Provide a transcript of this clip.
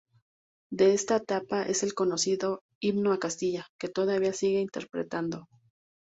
De esta etapa es el conocido "Himno a Castilla" que todavía se sigue interpretando.